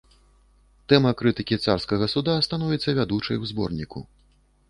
Тэма крытыкі царскага суда становіцца вядучай у зборніку.